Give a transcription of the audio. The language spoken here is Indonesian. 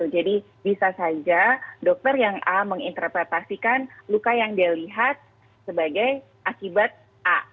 jadi bisa saja dokter yang a menginterpretasikan luka yang dia lihat sebagai akibat a